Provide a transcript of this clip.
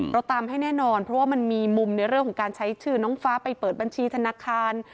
เราตามให้แน่นอนเพราะว่ามันมีมุมในเรื่องของการใช้ชื่อน้องฟ้าไปเปิดบัญชีธนาคาร